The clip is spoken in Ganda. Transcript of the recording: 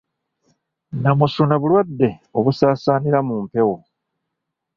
Nnamusuna bulwadde obusaasaanira mu mpewo